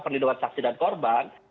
perlindungan saksi dan korban